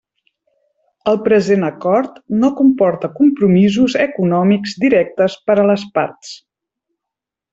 El present acord no comporta compromisos econòmics directes per a les parts.